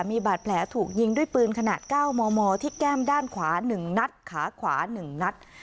มีบาดแผลถูกยิงด้วยปืนขนาดเก้ามมที่แก้มด้านขวาหนึ่งนัดขาขวาหนึ่งนัด